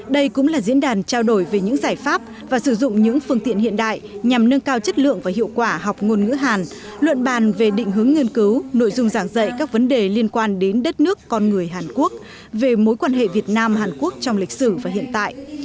đây cũng là diễn đàn trao đổi về những giải pháp và sử dụng những phương tiện hiện đại nhằm nâng cao chất lượng và hiệu quả học ngôn ngữ hàn luận bàn về định hướng nghiên cứu nội dung giảng dạy các vấn đề liên quan đến đất nước con người hàn quốc về mối quan hệ việt nam hàn quốc trong lịch sử và hiện tại